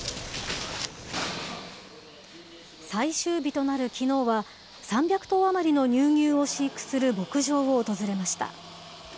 最終日となるきのうは、３００頭余りの乳牛を飼育する牧場を訪れました。